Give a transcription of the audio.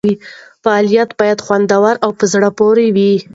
فعالیت باید خوندور او په زړه پورې وي.